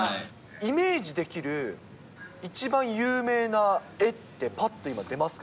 イメージできる一番有名な絵ってぱっと今出ますか？